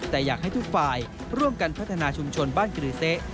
แต่อยากให้ทุกฝ่ายร่วมกันพัฒนาชุมชนบ้านกรือเสะ